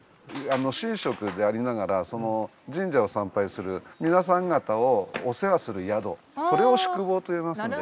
神職でありながら神社を参拝する皆さん方をお世話する宿それを宿坊と呼びますんで。